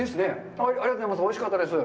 おいしかったです。